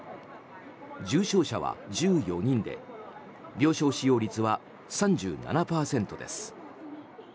重症者は１４人で病床使用率は３７％です。